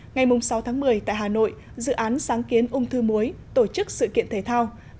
ngày sáu tháng một mươi tại hà nội dự án sáng kiến ung thư muối tổ chức sự kiện thể thao